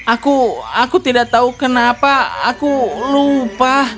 aku aku tidak tahu kenapa aku lupa